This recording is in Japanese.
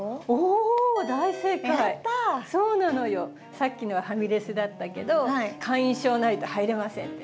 さっきのはファミレスだったけど会員証ないと入れませんね。